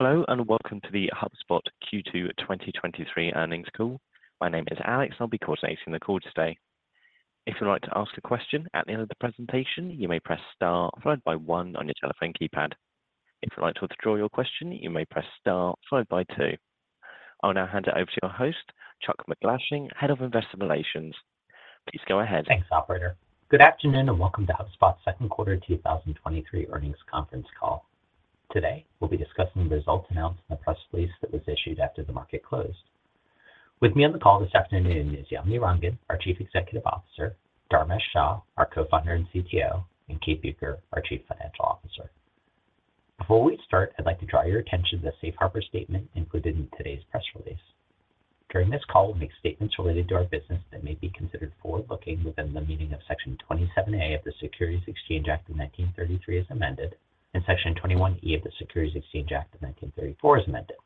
Hello, and welcome to the HubSpot Q2 2023 Earnings Call. My name is Alex, and I'll be coordinating the call today. If you'd like to ask a question at the end of the presentation, you may press star followed by one on your telephone keypad. If you'd like to withdraw your question, you may press star followed by two. I'll now hand it over to your host, Chuck MacGlashing, Head of Investor Relations. Please go ahead. Thanks, operator. Good afternoon, and welcome to HubSpot's second quarter 2023 earnings conference call. Today, we'll be discussing the results announced in the press release that was issued after the market closed. With me on the call this afternoon is Yamini Rangan, our Chief Executive Officer, Dharmesh Shah, our Co-founder and CTO, and Kate Bueker, our Chief Financial Officer. Before we start, I'd like to draw your attention to the safe harbor statement included in today's press release. During this call, we'll make statements related to our business that may be considered forward-looking within the meaning of Section 27A of the Securities Exchange Act of 1933 as amended, and Section 21E of the Securities Exchange Act of 1934 as amended.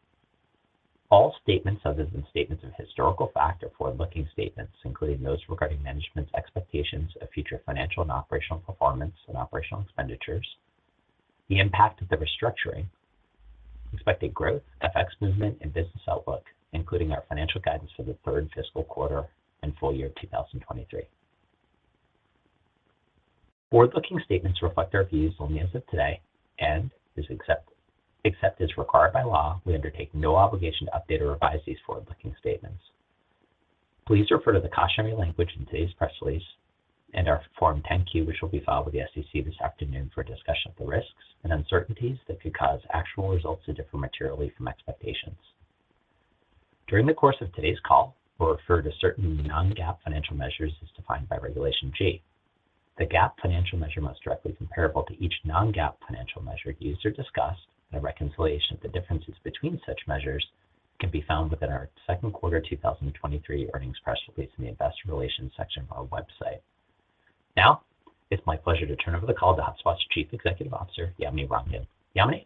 All statements other than statements of historical fact are forward-looking statements, including those regarding management's expectations of future financial and operational performance and operational expenditures, the impact of the restructuring, expected growth, effects movement, and business outlook, including our financial guidance for the third fiscal quarter and full year 2023. Forward-looking statements reflect our views only as of today, and except as required by law, we undertake no obligation to update or revise these forward-looking statements. Please refer to the cautionary language in today's press release and our Form 10-Q, which will be filed with the SEC this afternoon for a discussion of the risks and uncertainties that could cause actual results to differ materially from expectations. During the course of today's call, we'll refer to certain non-GAAP financial measures as defined by Regulation G. The GAAP financial measure most directly comparable to each non-GAAP financial measure used or discussed, and a reconciliation of the differences between such measures can be found within our Q2 2023 earnings press release in the Investor Relations section of our website. Now, it's my pleasure to turn over the call to HubSpot's Chief Executive Officer, Yamini Rangan. Yamini?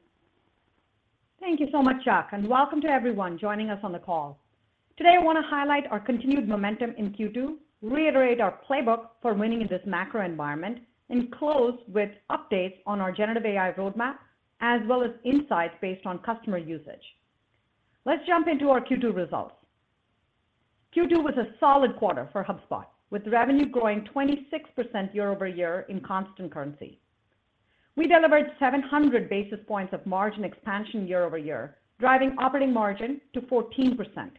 Thank you so much, Chuck, and welcome to everyone joining us on the call. Today, I want to highlight our continued momentum in Q2, reiterate our playbook for winning in this macro environment, and close with updates on our generative AI roadmap, as well as insights based on customer usage. Let's jump into our Q2 results. Q2 was a solid quarter for HubSpot, with revenue growing 26% year-over-year in constant currency. We delivered 700 basis points of margin expansion year-over-year, driving operating margin to 14%.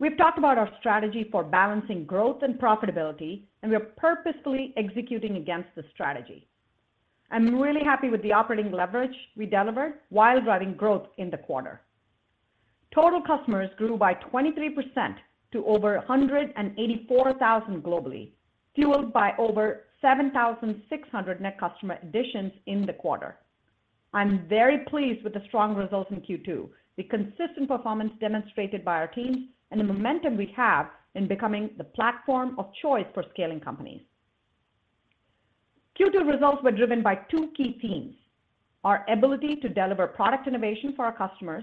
We've talked about our strategy for balancing growth and profitability, and we are purposefully executing against the strategy. I'm really happy with the operating leverage we delivered while driving growth in the quarter. Total customers grew by 23% to over 184,000 globally, fueled by over 7,600 net customer additions in the quarter. I'm very pleased with the strong results in Q2, the consistent performance demonstrated by our teams, and the momentum we have in becoming the platform of choice for scaling companies. Q2 results were driven by two key themes: our ability to deliver product innovation for our customers,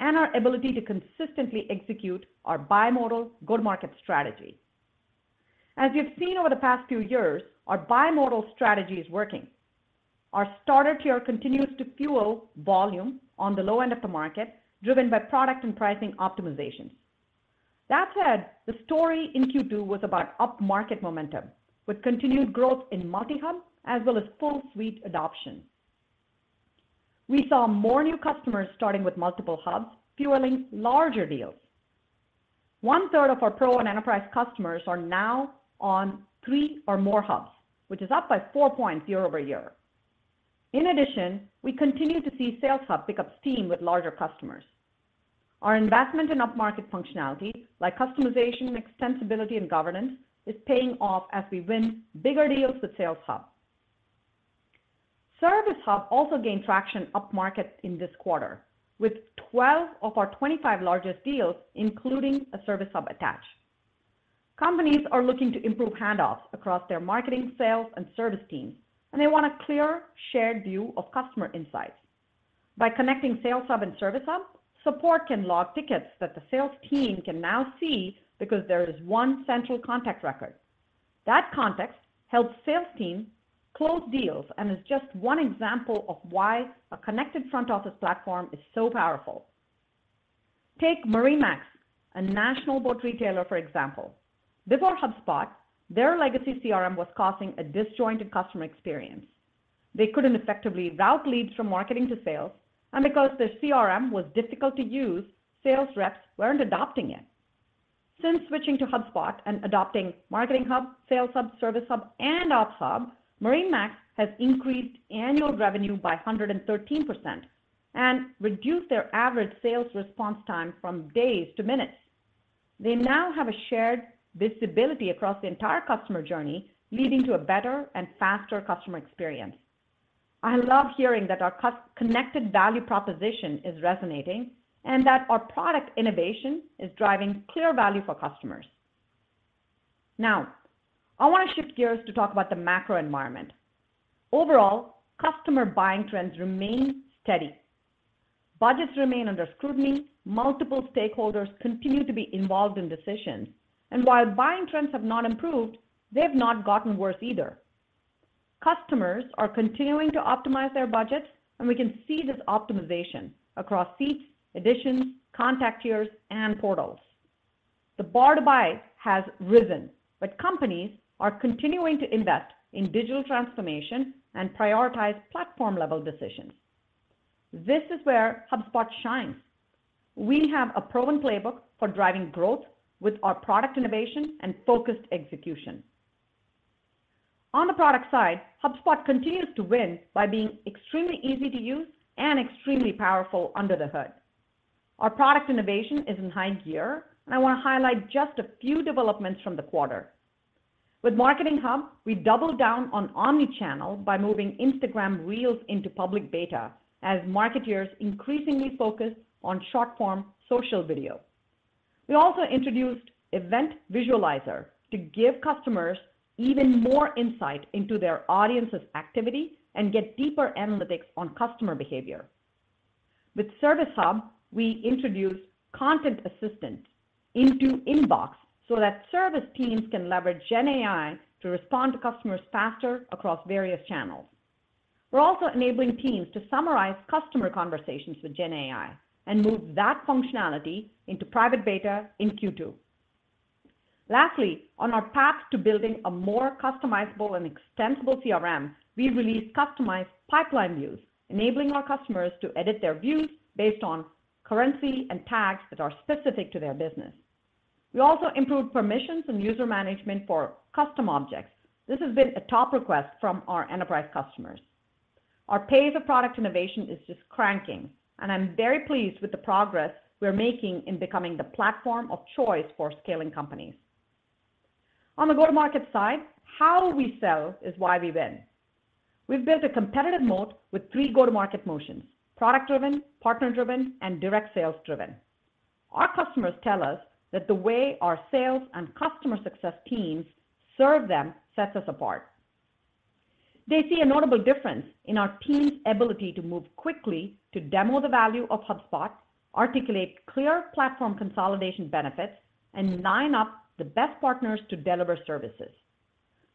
and our ability to consistently execute our bimodal go-to-market strategy. As you've seen over the past few years, our bimodal strategy is working. Our starter tier continues to fuel volume on the low end of the market, driven by product and pricing optimizations. That said, the story in Q2 was about upmarket momentum, with continued growth in multi-hub as well as full suite adoption. We saw more new customers starting with multiple hubs, fueling larger deals. One third of our Pro and Enterprise customers are now on three or more Hubs, which is up by 4 points year-over-year. In addition, we continue to see Sales Hub pick up steam with larger customers. Our investment in upmarket functionality, like customization, extensibility, and governance, is paying off as we win bigger deals with Sales Hub. Service Hub also gained traction upmarket in this quarter, with 12 of our 25 largest deals, including a Service Hub attach. Companies are looking to improve handoffs across their marketing, sales, and service teams, and they want a clear, shared view of customer insights. By connecting Sales Hub and Service Hub, support can log tickets that the sales team can now see because there is one central contact record. That context helps sales teams close deals and is just one example of why a connected front office platform is so powerful. Take MarineMax, a national boat retailer, for example. Before HubSpot, their legacy CRM was causing a disjointed customer experience. They couldn't effectively route leads from marketing to sales, and because their CRM was difficult to use, sales reps weren't adopting it. Since switching to HubSpot and adopting Marketing Hub, Sales Hub, Service Hub, and Ops Hub, MarineMax has increased annual revenue by 113% and reduced their average sales response time from days to minutes. They now have a shared visibility across the entire customer journey, leading to a better and faster customer experience. I love hearing that our connected value proposition is resonating, and that our product innovation is driving clear value for customers. Now, I want to shift gears to talk about the macro environment. Overall, customer buying trends remain steady. Budgets remain under scrutiny, multiple stakeholders continue to be involved in decisions, and while buying trends have not improved, they have not gotten worse either. Customers are continuing to optimize their budgets, and we can see this optimization across seats, editions, contact tiers, and portals. The bar to buy has risen, but companies are continuing to invest in digital transformation and prioritize platform-level decisions. This is where HubSpot shines. We have a proven playbook for driving growth with our product innovation and focused execution. On the product side, HubSpot continues to win by being extremely easy to use and extremely powerful under the hood. Our product innovation is in high gear, and I want to highlight just a few developments from the quarter. With Marketing Hub, we doubled down on omni-channel by moving Instagram Reels into public beta as marketeers increasingly focus on short-form social video. We also introduced Event Visualizer to give customers even more insight into their audience's activity and get deeper analytics on customer behavior. With Service Hub, we introduced Content Assistant into Inbox so that service teams can leverage gen AI to respond to customers faster across various channels. We're also enabling teams to summarize customer conversations with gen AI and move that functionality into private beta in Q2. Lastly, on our path to building a more customizable and extensible CRM, we released customized pipeline views, enabling our customers to edit their views based on currency and tags that are specific to their business. We also improved permissions and user management for custom objects. This has been a top request from our enterprise customers. Our pace of product innovation is just cranking. I'm very pleased with the progress we're making in becoming the platform of choice for scaling companies. On the go-to-market side, how we sell is why we win. We've built a competitive moat with three go-to-market motions: product-driven, partner-driven, and direct sales-driven. Our customers tell us that the way our sales and customer success teams serve them sets us apart. They see a notable difference in our team's ability to move quickly to demo the value of HubSpot, articulate clear platform consolidation benefits, and line up the best partners to deliver services.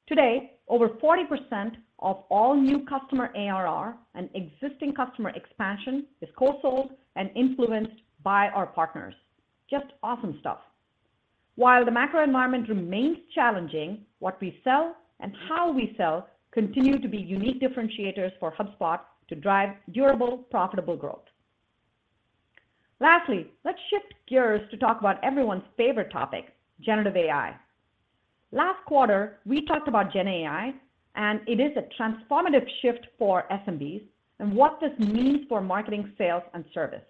Today, over 40% of all new customer ARR and existing customer expansion is co-sold and influenced by our partners. Just awesome stuff. While the macro environment remains challenging, what we sell and how we sell continue to be unique differentiators for HubSpot to drive durable, profitable growth. Lastly, let's shift gears to talk about everyone's favorite topic, generative AI. Last quarter, we talked about gen AI. It is a transformative shift for SMBs and what this means for marketing, sales, and service.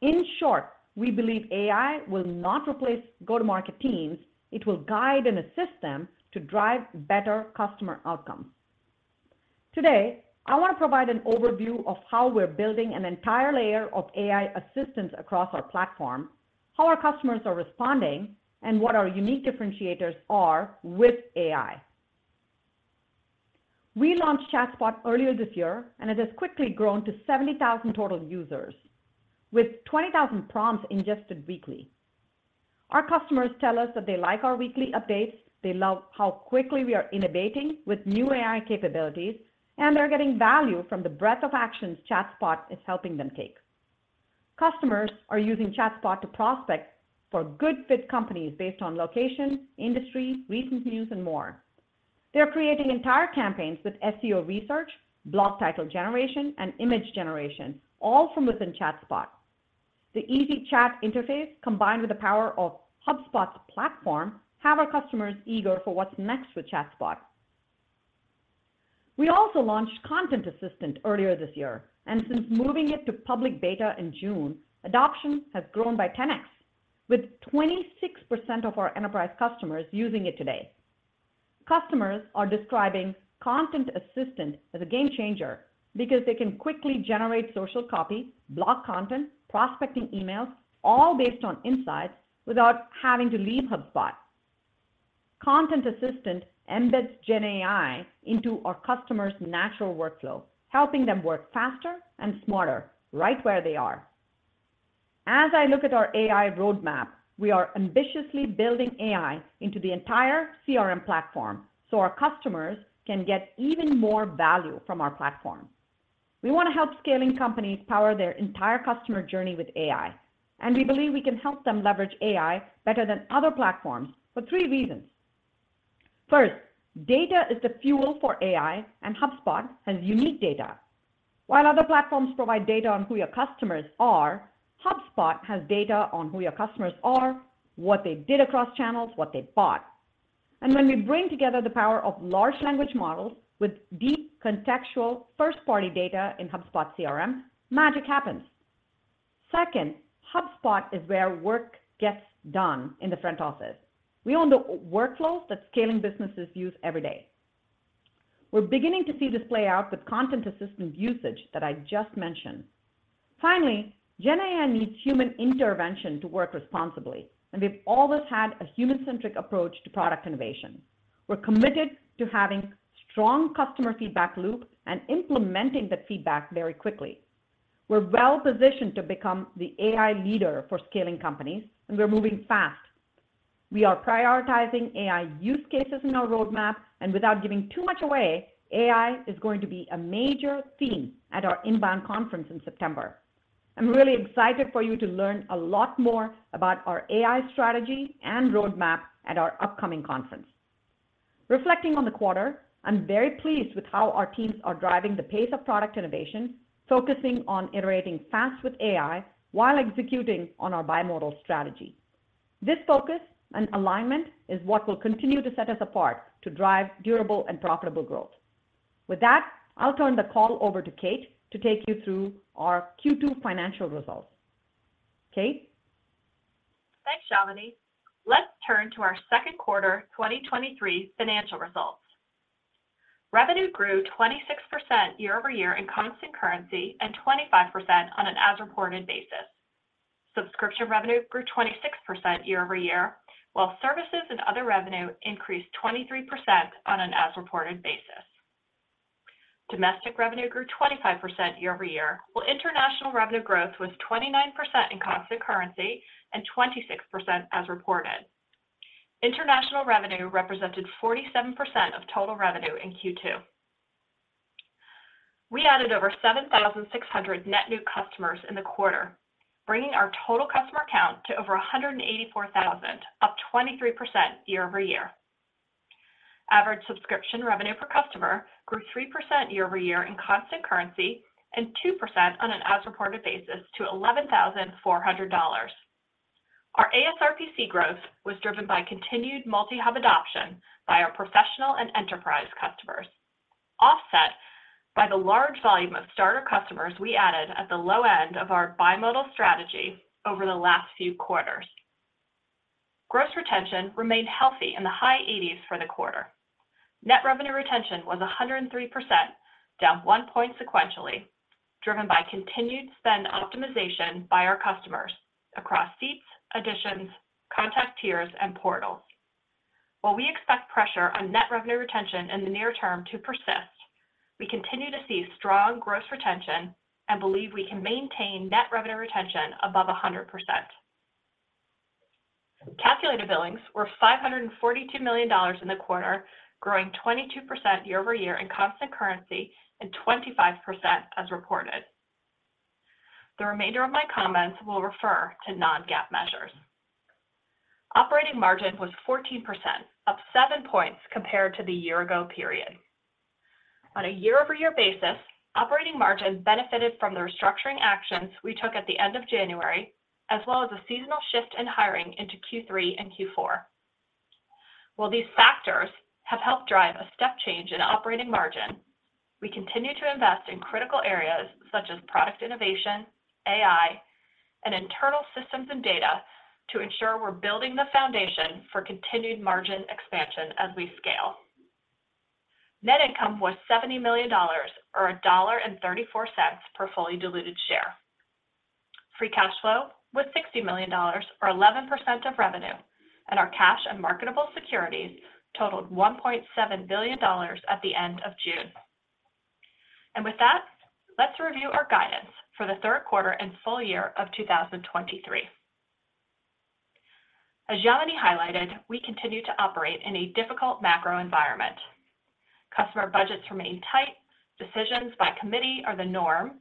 In short, we believe AI will not replace go-to-market teams. It will guide and assist them to drive better customer outcomes. Today, I want to provide an overview of how we're building an entire layer of AI assistance across our platform, how our customers are responding, and what our unique differentiators are with AI. We launched ChatSpot earlier this year. It has quickly grown to 70,000 total users, with 20,000 prompts ingested weekly. Our customers tell us that they like our weekly updates, they love how quickly we are innovating with new AI capabilities, and they're getting value from the breadth of actions ChatSpot is helping them take. Customers are using ChatSpot to prospect for good fit companies based on location, industry, recent news, and more. They're creating entire campaigns with SEO research, blog title generation, and image generation, all from within ChatSpot. The easy chat interface, combined with the power of HubSpot's platform, have our customers eager for what's next with ChatSpot. We also launched Content Assistant earlier this year, and since moving it to public beta in June, adoption has grown by 10x, with 26% of our enterprise customers using it today. Customers are describing Content Assistant as a game changer because they can quickly generate social copy, blog content, prospecting emails, all based on insights without having to leave HubSpot. Content Assistant embeds gen AI into our customer's natural workflow, helping them work faster and smarter right where they are. As I look at our AI roadmap, we are ambitiously building AI into the entire CRM platform so our customers can get even more value from our platform. We want to help scaling companies power their entire customer journey with AI. We believe we can help them leverage AI better than other platforms for three reasons. First, data is the fuel for AI, and HubSpot has unique data. While other platforms provide data on who your customers are, HubSpot has data on who your customers are, what they did across channels, what they bought. When we bring together the power of large language models with deep contextual, first-party data in HubSpot CRM, magic happens. Second, HubSpot is where work gets done in the front office. We own the workflows that scaling businesses use every day. We're beginning to see this play out with content assistant usage that I just mentioned. Finally, gen AI needs human intervention to work responsibly, and we've always had a human-centric approach to product innovation. We're committed to having strong customer feedback loop and implementing that feedback very quickly. We're well positioned to become the AI leader for scaling companies, and we're moving fast.... We are prioritizing AI use cases in our roadmap, and without giving too much away, AI is going to be a major theme at our INBOUND conference in September. I'm really excited for you to learn a lot more about our AI strategy and roadmap at our upcoming conference. Reflecting on the quarter, I'm very pleased with how our teams are driving the pace of product innovation, focusing on iterating fast with AI while executing on our bimodal strategy. This focus and alignment is what will continue to set us apart to drive durable and profitable growth. With that, I'll turn the call over to Kate to take you through our Q2 financial results. Kate? Thanks, Yamini. Let's turn to our Q2 2023 financial results. Revenue grew 26% year-over-year in constant currency, and 25% on an as-reported basis. Subscription revenue grew 26% year-over-year, while services and other revenue increased 23% on an as-reported basis. Domestic revenue grew 25% year-over-year, while international revenue growth was 29% in constant currency and 26% as reported. International revenue represented 47% of total revenue in Q2. We added over 7,600 net new customers in the quarter, bringing our total customer count to over 184,000, up 23% year-over-year. Average subscription revenue per customer grew 3% year-over-year in constant currency, and 2% on an as-reported basis to $11,400. Our ASRPC growth was driven by continued multi-hub adoption by our professional and enterprise customers, offset by the large volume of starter customers we added at the low end of our bimodal strategy over the last few quarters. Gross retention remained healthy in the high eighties for the quarter. Net revenue retention was 103%, down 1 point sequentially, driven by continued spend optimization by our customers across seats, additions, contact tiers, and portals. While we expect pressure on net revenue retention in the near term to persist, we continue to see strong gross retention and believe we can maintain net revenue retention above 100%. Calculated billings were $542 million in the quarter, growing 22% year-over-year in constant currency and 25% as reported. The remainder of my comments will refer to non-GAAP measures. Operating margin was 14%, up 7 points compared to the year-ago period. On a year-over-year basis, operating margin benefited from the restructuring actions we took at the end of January, as well as a seasonal shift in hiring into Q3 and Q4. While these factors have helped drive a step change in operating margin, we continue to invest in critical areas such as product innovation, AI, and internal systems and data to ensure we're building the foundation for continued margin expansion as we scale. Net income was $70 million or $1.34 per fully diluted share. Free cash flow was $60 million or 11% of revenue, and our cash and marketable securities totaled $1.7 billion at the end of June. With that, let's review our guidance for the Q3 and full year of 2023. As Yamini highlighted, we continue to operate in a difficult macro environment. Customer budgets remain tight, decisions by committee are the norm,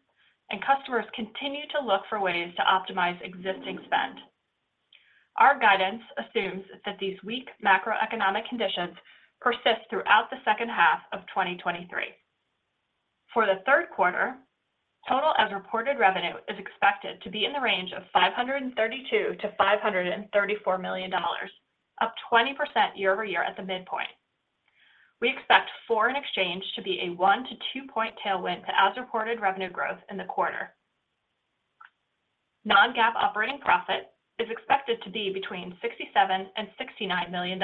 and customers continue to look for ways to optimize existing spend. Our guidance assumes that these weak macroeconomic conditions persist throughout the second half of 2023. For the third quarter, total as-reported revenue is expected to be in the range of $532 million-$534 million, up 20% year-over-year at the midpoint. We expect foreign exchange to be a 1- to 2-point tailwind to as-reported revenue growth in the quarter. Non-GAAP operating profit is expected to be between $67 million and $69 million.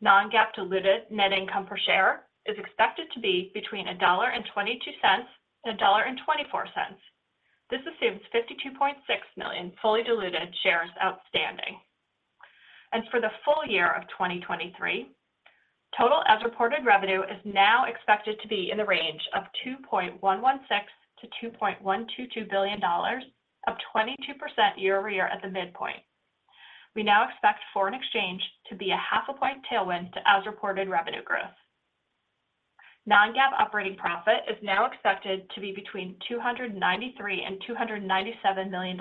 Non-GAAP diluted net income per share is expected to be between $1.22 and $1.24. This assumes 52.6 million fully diluted shares outstanding. For the full year of 2023, total as-reported revenue is now expected to be in the range of $2.116 billion-$2.122 billion, up 22% year-over-year at the midpoint. We now expect foreign exchange to be a 0.5 point tailwind to as-reported revenue growth. Non-GAAP operating profit is now expected to be between $293 million and $297 million.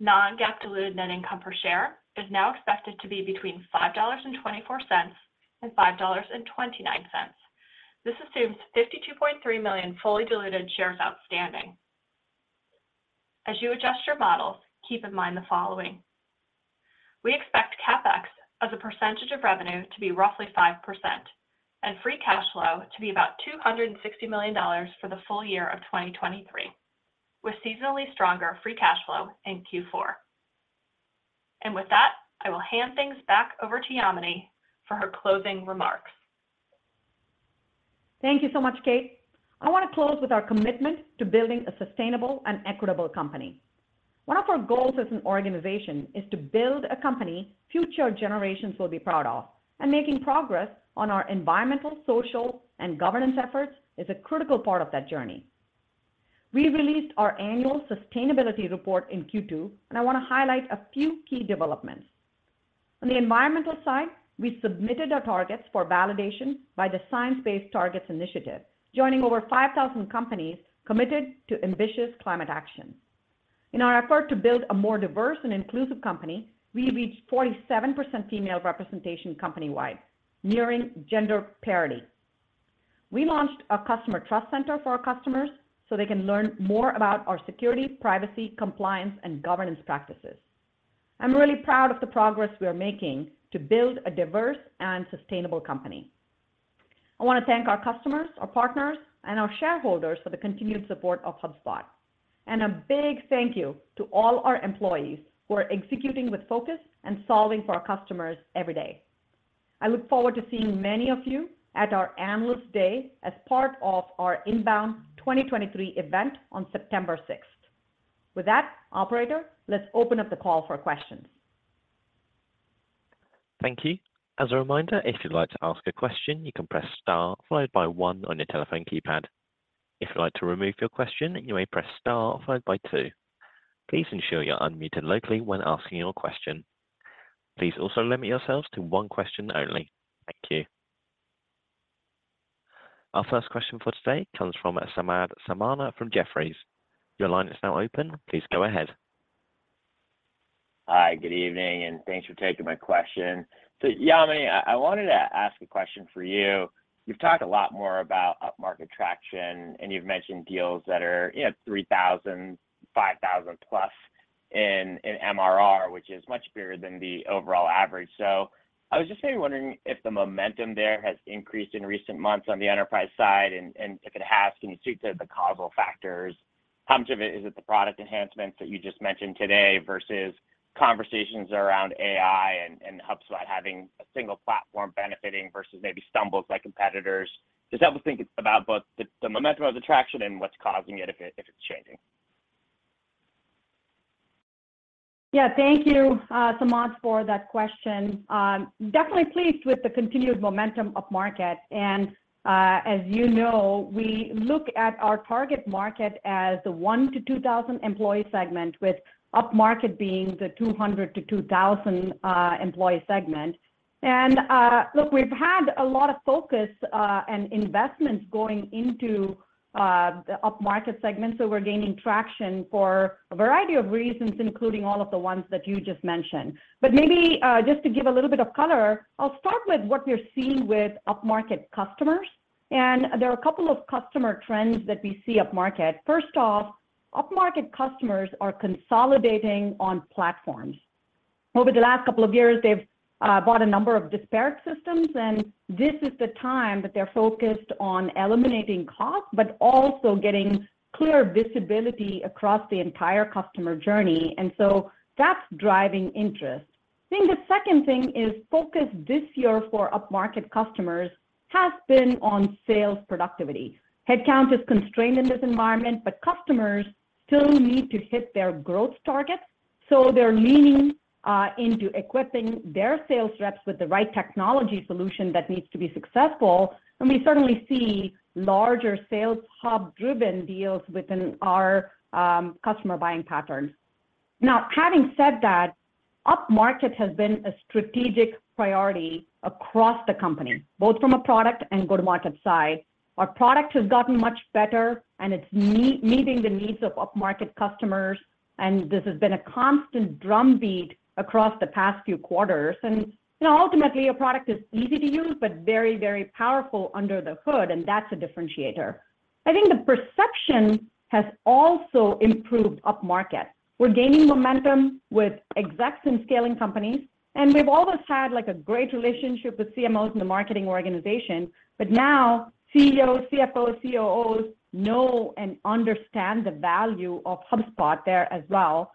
Non-GAAP diluted net income per share is now expected to be between $5.24 and $5.29. This assumes 52.3 million fully diluted shares outstanding. As you adjust your models, keep in mind the following: We expect CapEx as a percentage of revenue to be roughly 5%, and free cash flow to be about $260 million for the full year of 2023, with seasonally stronger free cash flow in Q4. With that, I will hand things back over to Yamini for her closing remarks. Thank you so much, Kate. I want to close with our commitment to building a sustainable and equitable company. One of our goals as an organization is to build a company future generations will be proud of. Making progress on our environmental, social, and governance efforts is a critical part of that journey. We released our annual sustainability report in Q2. I want to highlight a few key developments. On the environmental side, we submitted our targets for validation by the Science Based Targets initiative, joining over 5,000 companies committed to ambitious climate action. In our effort to build a more diverse and inclusive company, we reached 47% female representation company-wide, nearing gender parity. We launched a customer trust center for our customers so they can learn more about our security, privacy, compliance, and governance practices. I'm really proud of the progress we are making to build a diverse and sustainable company. I want to thank our customers, our partners, and our shareholders for the continued support of HubSpot. A big thank you to all our employees who are executing with focus and solving for our customers every day. I look forward to seeing many of you at our Analysts Day as part of our INBOUND 2023 event on September 6th. With that, operator, let's open up the call for questions. Thank you. As a reminder, if you'd like to ask a question, you can press Star, followed by One on your telephone keypad. If you'd like to remove your question, you may press Star, followed by Two. Please ensure you're unmuted locally when asking your question. Please also limit yourselves to one question only. Thank you. Our first question for today comes from Samad Samana from Jefferies. Your line is now open. Please go ahead. Hi, good evening, and thanks for taking my question. Yamini, I wanted to ask a question for you. You've talked a lot more about upmarket traction, and you've mentioned deals that are, you know, $3,000, $5,000 plus in MRR, which is much bigger than the overall average. I was just maybe wondering if the momentum there has increased in recent months on the enterprise side, and if it has, can you speak to the causal factors? How much of it is it the product enhancements that you just mentioned today versus conversations around AI and HubSpot having a single platform benefiting versus maybe stumbles by competitors? Just help us think about both the momentum of the traction and what's causing it, if it's changing. Yeah, thank you, Samad, for that question. Definitely pleased with the continued momentum upmarket. As you know, we look at our target market as the 1-2,000 employee segment, with upmarket being the 200-2,000 employee segment. Look, we've had a lot of focus and investments going into the upmarket segment, so we're gaining traction for a variety of reasons, including all of the ones that you just mentioned. Maybe, just to give a little bit of color, I'll start with what we're seeing with upmarket customers, and there are a couple of customer trends that we see upmarket. First off, upmarket customers are consolidating on platforms. Over the last couple of years, they've bought a number of disparate systems. This is the time that they're focused on eliminating costs, also getting clear visibility across the entire customer journey. That's driving interest. I think the second thing is focus this year for upmarket customers has been on sales productivity. Headcount is constrained in this environment. Customers still need to hit their growth targets, they're leaning into equipping their sales reps with the right technology solution that needs to be successful. We certainly see larger Sales Hub-driven deals within our customer buying patterns. Now, having said that, upmarket has been a strategic priority across the company, both from a product and go-to-market side. Our product has gotten much better, and it's meeting the needs of upmarket customers, and this has been a constant drumbeat across the past few quarters. You know, ultimately, our product is easy to use, but very, very powerful under the hood, and that's a differentiator. I think the perception has also improved upmarket. We're gaining momentum with execs in scaling companies, and we've always had, like, a great relationship with CMOs in the marketing organization. Now, CEOs, CFOs, COOs know and understand the value of HubSpot there as well.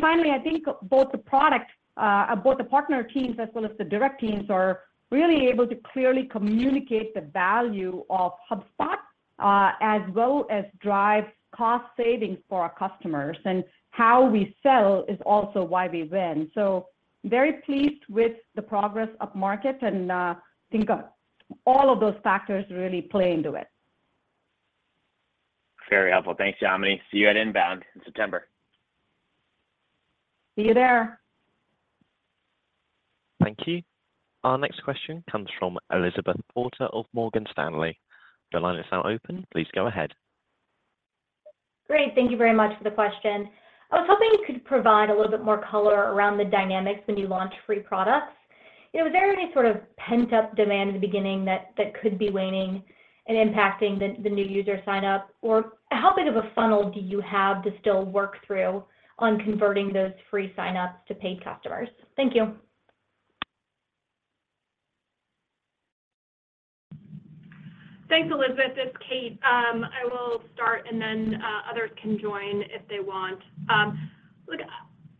Finally, I think both the product, both the partner teams as well as the direct teams are really able to clearly communicate the value of HubSpot, as well as drive cost savings for our customers. How we sell is also why we win. Very pleased with the progress upmarket, and, think, all of those factors really play into it. Very helpful. Thanks, Yamini. See you at INBOUND in September. See you there! Thank you. Our next question comes from Elizabeth Porter of Morgan Stanley. Your line is now open. Please go ahead. Great. Thank you very much for the question. I was hoping you could provide a little bit more color around the dynamics when you launch free products. You know, is there any sort of pent-up demand in the beginning that, that could be waning and impacting the, the new user sign-up? Or how big of a funnel do you have to still work through on converting those free sign-ups to paid customers? Thank you. Thanks, Elizabeth. It's Kate. I will start, and then others can join if they want. Look,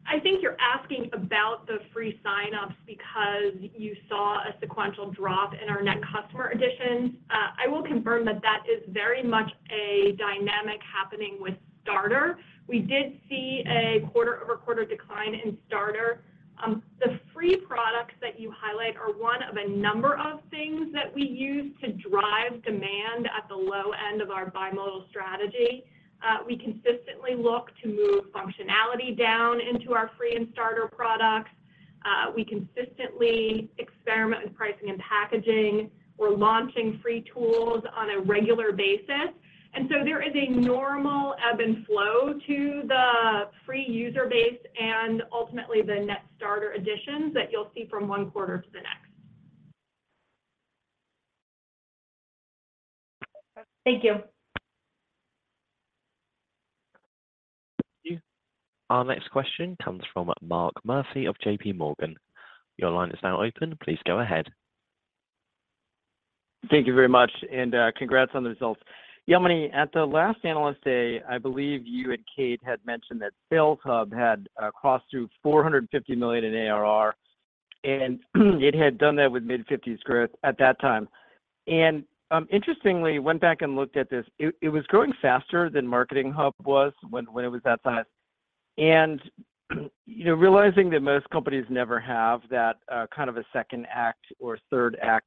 I think you're asking about the free sign-ups because you saw a sequential drop in our net customer additions. I will confirm that that is very much a dynamic happening with Starter. We did see a quarter-over-quarter decline in Starter. The free products that you highlight are one of a number of things that we use to drive demand at the low end of our bimodal strategy. We consistently look to move functionality down into our free and starter products.... we consistently experiment with pricing and packaging. We're launching free tools on a regular basis, and so there is a normal ebb and flow to the free user base and ultimately the net starter additions that you'll see from Q1 to the next. Thank you. Thank you. Our next question comes from Mark Murphy of JPMorgan. Your line is now open, please go ahead. Thank you very much, and congrats on the results. Yamini, at the last Analyst Day, I believe you and Kate had mentioned that Sales Hub had crossed through $450 million in ARR, and it had done that with mid-50s growth at that time. Interestingly, went back and looked at this, it, it was growing faster than Marketing Hub was when, when it was that size. You know, realizing that most companies never have that kind of a second act or third act,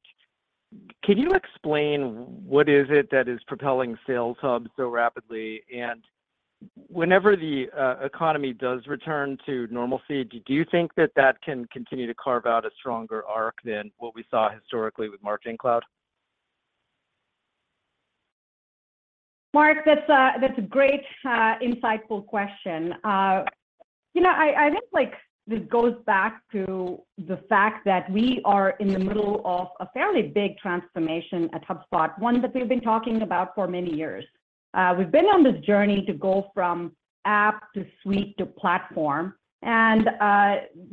can you explain what is it that is propelling Sales Hub so rapidly? Whenever the economy does return to normalcy, do you think that that can continue to carve out a stronger arc than what we saw historically with Marketing Cloud? Mark, that's a, that's a great, insightful question. You know, I, I think like this goes back to the fact that we are in the middle of a fairly big transformation at HubSpot, one that we've been talking about for many years. We've been on this journey to go from app to suite to platform, and,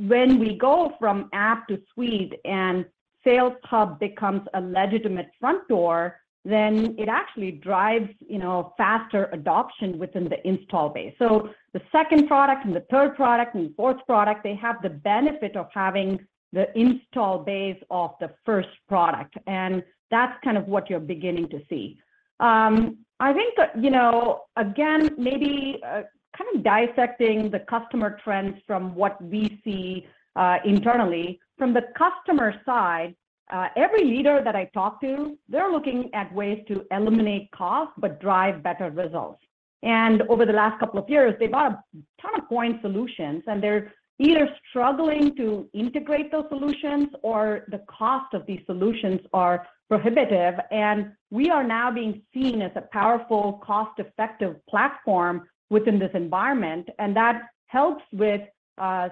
when we go from app to suite and Sales Hub becomes a legitimate front door, then it actually drives, you know, faster adoption within the install base. The second product and the third product and the fourth product, they have the benefit of having the install base of the first product, and that's kind of what you're beginning to see. I think that, you know, again, maybe, kind of dissecting the customer trends from what we see, internally. From the customer side, every leader that I talk to, they're looking at ways to eliminate costs, but drive better results. Over the last couple of years, they bought a ton of point solutions, and they're either struggling to integrate those solutions or the cost of these solutions are prohibitive. We are now being seen as a powerful, cost-effective platform within this environment, and that helps with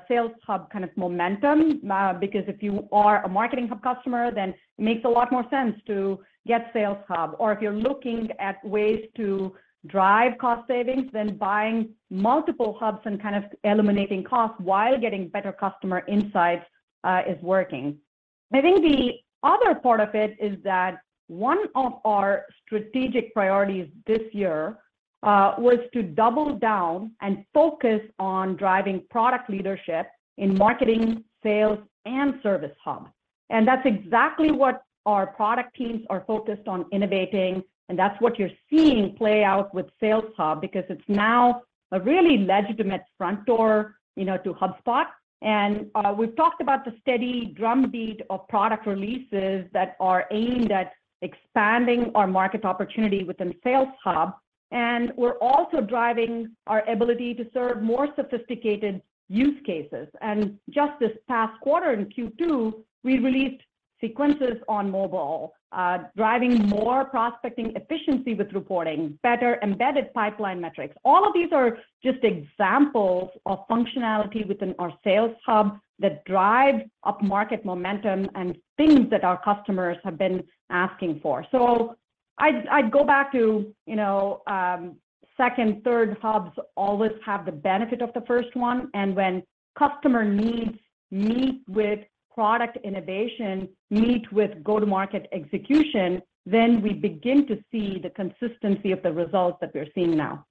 Sales Hub kind of momentum. If you are a Marketing Hub customer, then it makes a lot more sense to get Sales Hub. If you're looking at ways to drive cost savings, then buying multiple hubs and kind of eliminating costs while getting better customer insights, is working. I think the other part of it is that one of our strategic priorities this year was to double down and focus on driving product leadership in Marketing, Sales, and Service Hub. That's exactly what our product teams are focused on innovating, and that's what you're seeing play out with Sales Hub because it's now a really legitimate front door, you know, to HubSpot. We've talked about the steady drumbeat of product releases that are aimed at expanding our market opportunity within Sales Hub, and we're also driving our ability to serve more sophisticated use cases. Just this past quarter in Q2, we released sequences on mobile, driving more prospecting efficiency with reporting, better embedded pipeline metrics. All of these are just examples of functionality within our Sales Hub that drive upmarket momentum and things that our customers have been asking for. I'd, I'd go back to, you know, second, third hubs always have the benefit of the first one, and when customer needs meet with product innovation, meet with go-to-market execution, then we begin to see the consistency of the results that we're seeing now.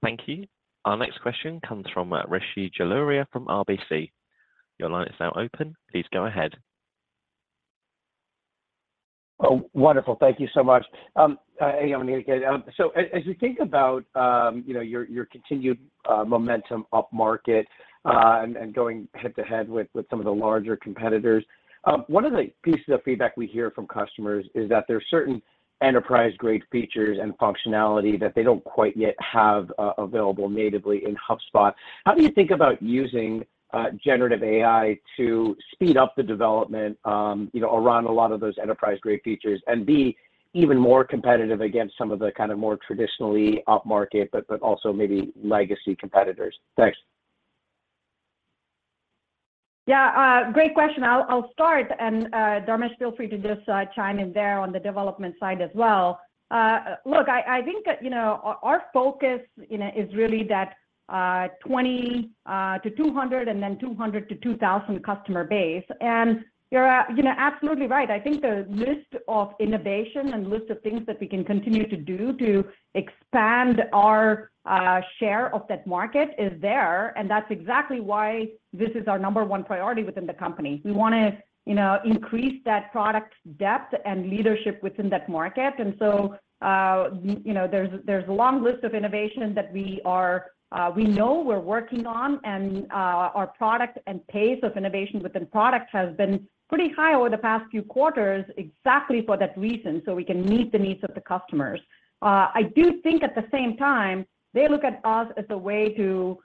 Thank you. Our next question comes from Rishi Jaluria from RBC. Your line is now open. Please go ahead. Oh, wonderful. Thank you so much. Hey, Yamini, again, as you think about, you know, your, your continued momentum upmarket, and going head-to-head with some of the larger competitors, one of the pieces of feedback we hear from customers is that there are certain enterprise-grade features and functionality that they don't quite yet have available natively in HubSpot. How do you think about using generative AI to speed up the development, you know, around a lot of those enterprise-grade features and be even more competitive against some of the kind of more traditionally upmarket but also maybe legacy competitors? Thanks. Yeah, great question. I'll, I'll start, and, Dharmesh, feel free to just, chime in there on the development side as well. Look, I, I think that, you know, our, our focus, you know, is really that, 20 to 200, and then 200 to 2,000 customer base. You're, you know, absolutely right. I think the list of innovation and list of things that we can continue to do to expand our share of that market is there, and that's exactly why this is our number one priority within the company. We wanna, you know, increase that product depth and leadership within that market, and so, you know, there's, there's a long list of innovations that we are, we know we're working on, and our product and pace of innovation within products has been pretty high over the past few quarters, exactly for that reason, so we can meet the needs of the customers. I do think at the same time, they look at us as a way to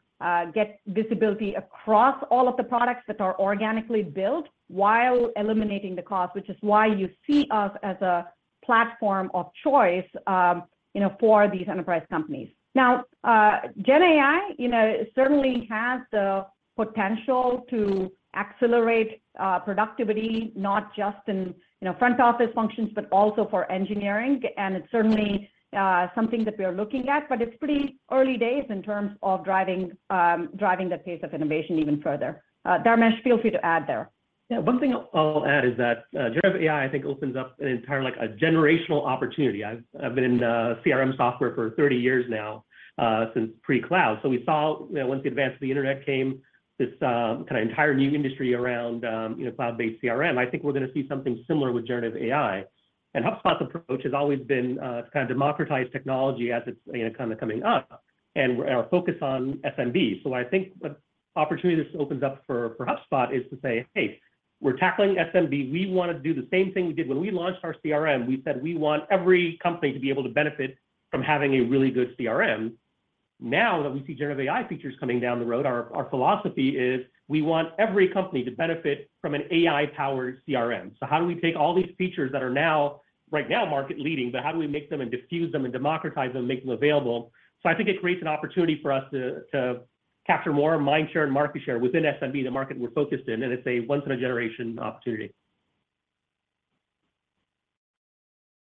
get visibility across all of the products that are organically built while eliminating the cost, which is why you see us as a platform of choice, you know, for these enterprise companies. Now, GenAI, you know, certainly has the potential to accelerate productivity, not just in, you know, front office functions, but also for engineering. It's certainly something that we are looking at, but it's pretty early days in terms of driving, driving the pace of innovation even further. Dharmesh, feel free to add there. Yeah, one thing I'll add is that generative AI, I think, opens up an entire, like, a generational opportunity. I've, I've been in the CRM software for 30 years now, since pre-cloud. We saw, you know, once the advance of the internet came, this kind of entire new industry around, you know, cloud-based CRM. I think we're going to see something similar with generative AI. HubSpot's approach has always been to kind of democratize technology as it's, you know, kind of coming up, and our focus on SMB. I think what opportunity this opens up for, for HubSpot is to say, "Hey, we're tackling SMB. We want to do the same thing we did when we launched our CRM. We said we want every company to be able to benefit from having a really good CRM. Now that we see generative AI features coming down the road, our philosophy is we want every company to benefit from an AI-powered CRM. How do we take all these features that are now, right now, market leading, but how do we make them and diffuse them and democratize them and make them available? I think it creates an opportunity for us to capture more mind share and market share within SMB, the market we're focused in, and it's a once-in-a-generation opportunity.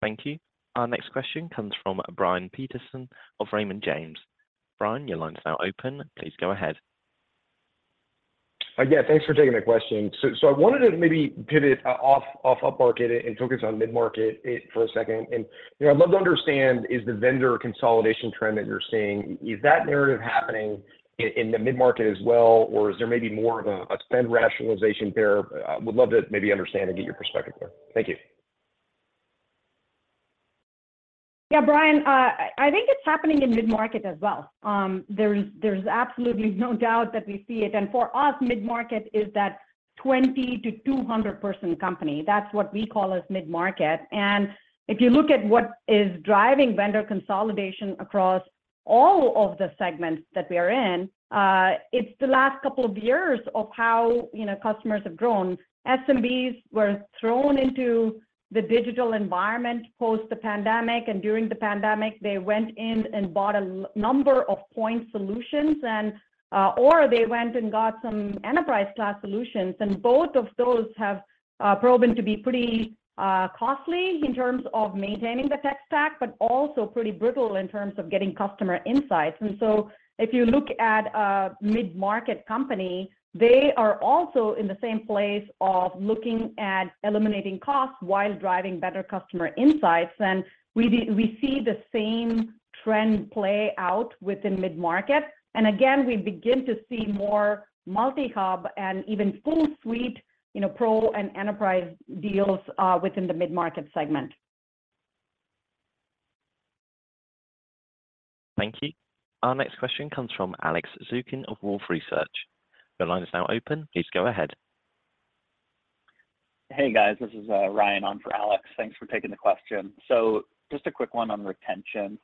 Thank you. Our next question comes from Brian Peterson of Raymond James. Brian, your line is now open. Please go ahead. Yeah, thanks for taking the question. So I wanted to maybe pivot off upmarket and focus on mid-market for a second. You know, I'd love to understand is the vendor consolidation trend that you're seeing, is that narrative happening in the mid-market as well, or is there maybe more of a, a spend rationalization there? I would love to maybe understand and get your perspective there. Thank you. Yeah, Brian, I think it's happening in mid-market as well. There's, there's absolutely no doubt that we see it. For us, mid-market is that 20 to 200 person company. That's what we call as mid-market. If you look at what is driving vendor consolidation across all of the segments that we are in, it's the last couple of years of how, you know, customers have grown. SMBs were thrown into the digital environment post the pandemic, during the pandemic, they went in and bought a number of point solutions or they went and got some enterprise-class solutions, and both of those have proven to be pretty costly in terms of maintaining the tech stack, but also pretty brittle in terms of getting customer insights. If you look at a mid-market company, they are also in the same place of looking at eliminating costs while driving better customer insights. We see the same trend play out within mid-market. Again, we begin to see more multi-hub and even full suite, you know, pro and enterprise deals within the mid-market segment. Thank you. Our next question comes from Alex Zukin of Wolfe Research. Your line is now open. Please go ahead. Hey, guys, this is Ryan on for Alex. Thanks for taking the question. Just a quick one on retention.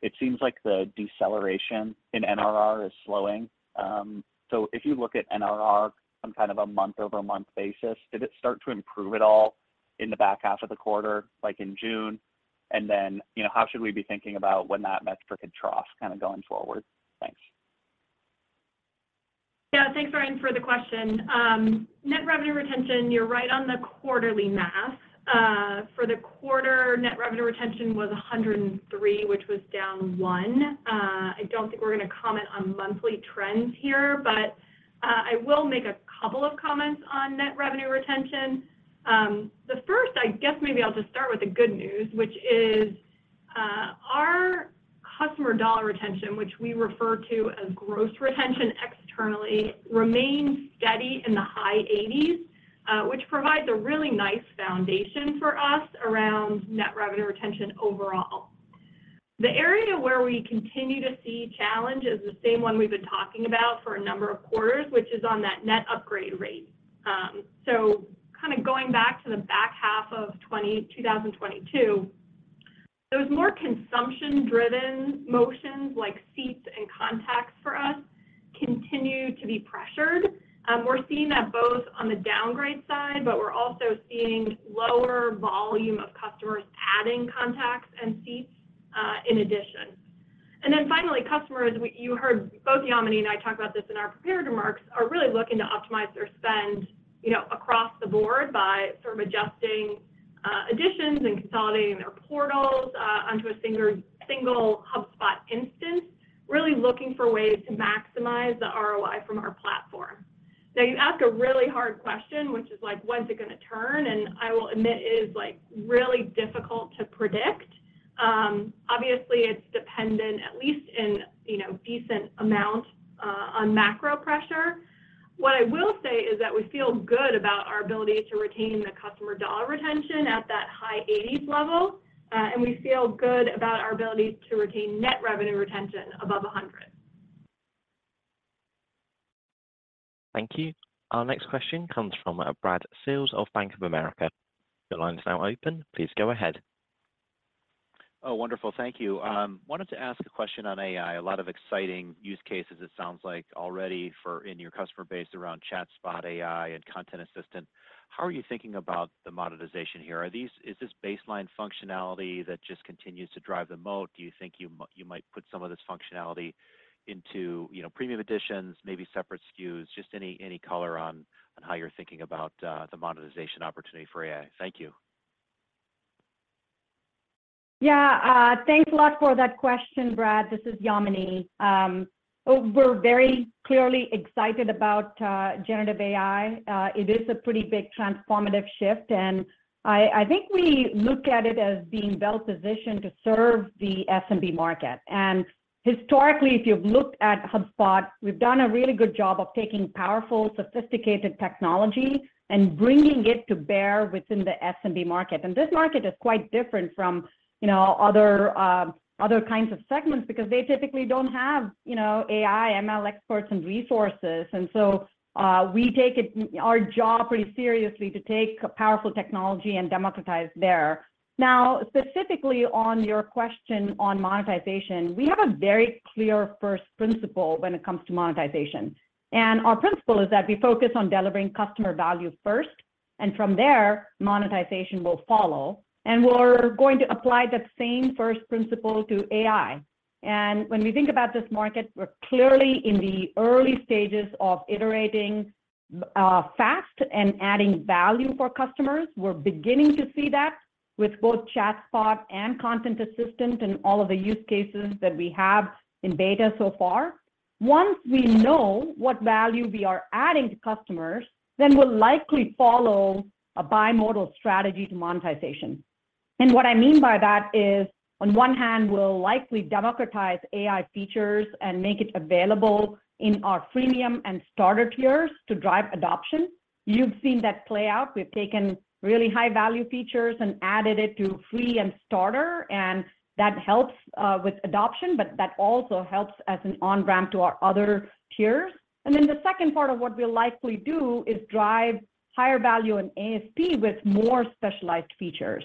It seems like the deceleration in NRR is slowing. If you look at NRR on kind of a month-over-month basis, did it start to improve at all in the back half of the quarter, like in June? Then, you know, how should we be thinking about when that metric could trough kind of going forward? Thanks. Yeah, thanks, Ryan, for the question. Net revenue retention, you're right on the quarterly math. For the quarter, net revenue retention was 103%, which was down 1%. I don't think we're going to comment on monthly trends here, but I will make a couple of comments on net revenue retention. The first, I guess maybe I'll just start with the good news, which is, our customer dollar retention, which we refer to as gross retention externally, remains steady in the high 80s%, which provides a really nice foundation for us around net revenue retention overall. The area where we continue to see challenge is the same one we've been talking about for a number of quarters, which is on that net upgrade rate. Kind of going back to the back half of 2022, those more consumption-driven motions, like seats and contacts for us, continue to be pressured. We're seeing that both on the downgrade side, but we're also seeing lower volume of customers adding contacts and seats, in addition. Then finally, customers, you heard both Yamini and I talk about this in our prepared remarks, are really looking to optimize their spend, you know, across the board by sort of adjusting, additions and consolidating their portals, onto a single HubSpot instance, really looking for ways to maximize the ROI from our platform. Now, you ask a really hard question, which is like, when is it gonna turn? I will admit, it is, like, really difficult to predict. Obviously, it's dependent, at least in, you know, decent amount on macro pressure. What I will say is that we feel good about our ability to retain the customer dollar retention at that high 80s level, and we feel good about our ability to retain net revenue retention above 100. Thank you. Our next question comes from Brad Sills of Bank of America. Your line is now open. Please go ahead. Oh, wonderful. Thank you. wanted to ask a question on AI. A lot of exciting use cases, it sounds like already for, in your customer base around ChatSpot AI and Content Assistant. How are you thinking about the monetization here? Is this baseline functionality that just continues to drive the moat? Do you think you might put some of this functionality into, you know, premium editions, maybe separate SKUs? Just any, any color on, on how you're thinking about the monetization opportunity for AI. Thank you. Yeah, thanks a lot for that question, Brad. This is Yamini. We're very clearly excited about generative AI. It is a pretty big transformative shift, and I, I think we look at it as being well-positioned to serve the SMB market. Historically, if you've looked at HubSpot, we've done a really good job of taking powerful, sophisticated technology and bringing it to bear within the SMB market. This market is quite different from, you know, other, other kinds of segments because they typically don't have, you know, AI, ML experts and resources. We take it, our job pretty seriously to take powerful technology and democratize there. Now, specifically on your question on monetization, we have a very clear first principle when it comes to monetization. Our principle is that we focus on delivering customer value first, and from there, monetization will follow, and we're going to apply that same first principle to AI. When we think about this market, we're clearly in the early stages of iterating fast and adding value for customers. We're beginning to see that with both ChatSpot and Content Assistant and all of the use cases that we have in beta so far. Once we know what value we are adding to customers, then we'll likely follow a bimodal strategy to monetization. What I mean by that is, on one hand, we'll likely democratize AI features and make it available in our freemium and starter tiers to drive adoption. You've seen that play out. We've taken really high-value features and added it to free and starter, that helps with adoption, but that also helps as an on-ramp to our other tiers. The second part of what we'll likely do is drive higher value in ASP with more specialized features.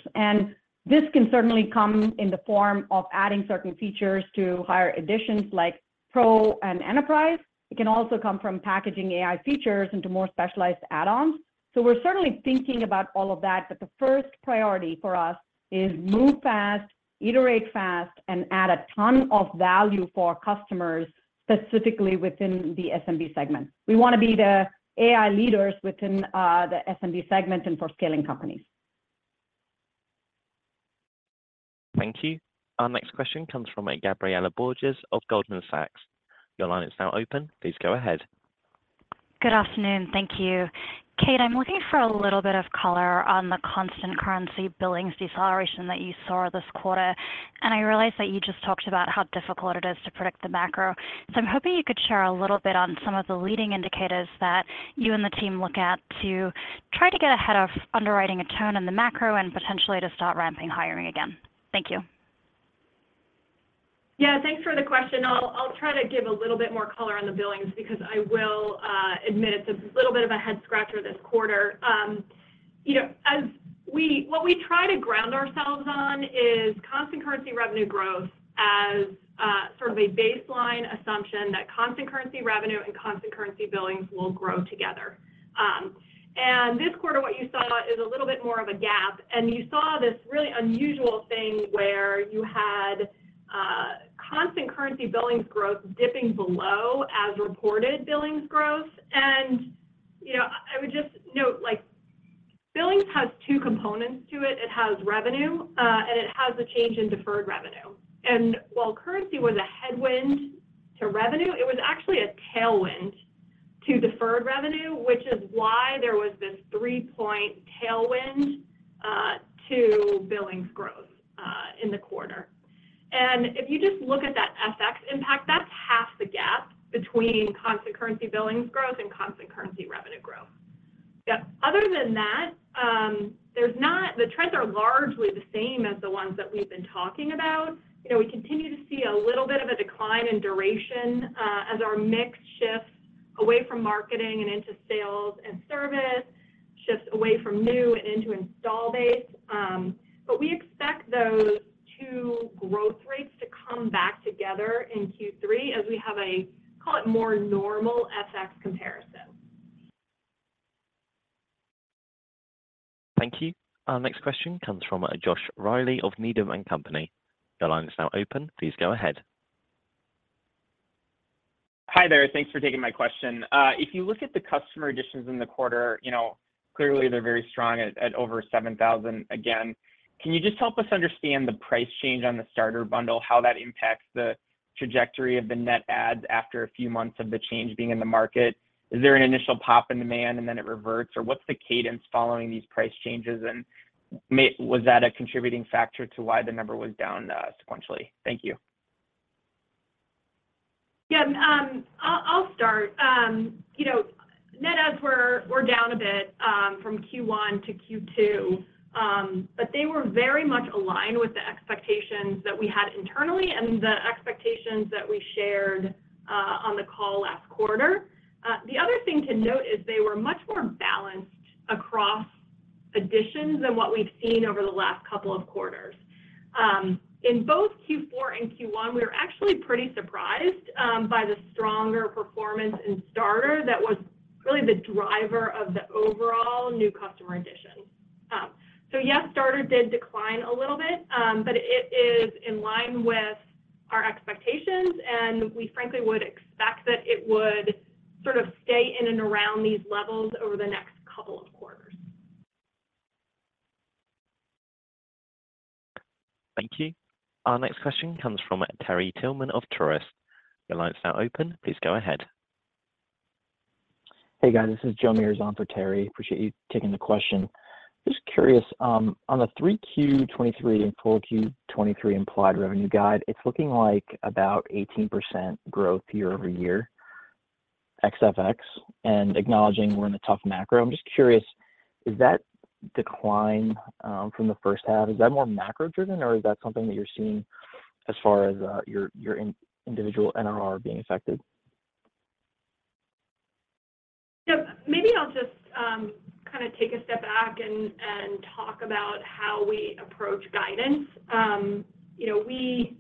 This can certainly come in the form of adding certain features to higher editions like Pro and Enterprise. It can also come from packaging AI features into more specialized add-ons. We're certainly thinking about all of that, but the first priority for us is move fast, iterate fast, and add a ton of value for our customers, specifically within the SMB segment. We wanna be the AI leaders within the SMB segment and for scaling companies. Thank you. Our next question comes from Gabriela Borges of Goldman Sachs. Your line is now open. Please go ahead. Good afternoon. Thank you. Kate, I'm looking for a little bit of color on the constant currency billings deceleration that you saw this quarter, and I realize that you just talked about how difficult it is to predict the macro. I'm hoping you could share a little bit on some of the leading indicators that you and the team look at to try to get ahead of underwriting a turn in the macro and potentially to start ramping hiring again. Thank you. Yeah, thanks for the question. I'll try to give a little bit more color on the billings because I will admit it's a little bit of a head scratcher this quarter. You know, what we try to ground ourselves on is constant currency revenue growth as sort of a baseline assumption that constant currency revenue and constant currency billings will grow together. This quarter, what you saw is a little bit more of a gap, and you saw this really unusual thing where you had constant currency billings growth dipping below as reported billings growth. You know, I would just note, like, billings has two components to it. It has revenue, and it has a change in deferred revenue. While currency was a headwind to revenue, it was actually a tailwind to deferred revenue, which is why there was this 3-point tailwind to billings growth in the quarter. If you just look at that FX impact, that's half the gap between constant currency billings growth and constant currency revenue growth. Other than that, the trends are largely the same as the ones that we've been talking about. You know, we continue to see a little bit of a decline in duration as our mix shifts away from marketing and into sales and service, shifts away from new and into install base. We expect those two growth rates to come back together in Q3 as we have a, call it more normal FX comparison. Thank you. Our next question comes from Josh Reilly of Needham & Company. Your line is now open. Please go ahead. Hi there. Thanks for taking my question. If you look at the customer additions in the quarter, you know, clearly they're very strong at, at over 7,000. Again, can you just help us understand the price change on the starter bundle, how that impacts the trajectory of the net adds after a few months of the change being in the market? Is there an initial pop in demand and then it reverts, or what's the cadence following these price changes? Was that a contributing factor to why the number was down sequentially? Thank you. Yeah, I'll, I'll start. You know, net adds were, were down a bit from Q1 to Q2, but they were very much aligned with the expectations that we had internally and the expectations that we shared on the call last quarter. The other thing to note is they were much more balanced-... across additions than what we've seen over the last couple of quarters. In both Q4 and Q1, we were actually pretty surprised by the stronger performance in Starter that was really the driver of the overall new customer additions. Yes, Starter did decline a little bit, but it is in line with our expectations, and we frankly would expect that it would sort of stay in and around these levels over the next couple of quarters. Thank you. Our next question comes from Terry Tillman of Truist. Your line is now open, please go ahead. Hey, guys, this is Joe Meares for Terry. Appreciate you taking the question. Just curious, on the 3 Q23 and full Q23 implied revenue guide, it's looking like about 18% growth year-over-year, XFX, acknowledging we're in a tough macro. I'm just curious, is that decline from the first half, is that more macro-driven, or is that something that you're seeing as far as your individual NRR being affected? Yeah, maybe I'll just kind a take a step back and talk about how we approach guidance. You know, we